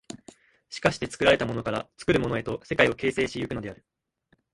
しかして作られたものから作るものへと世界を形成し行くのである。